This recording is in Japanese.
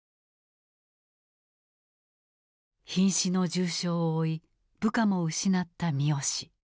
ひん死の重傷を負い部下も失った三好。